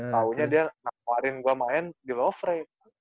taunya dia nawarin gua main di lovre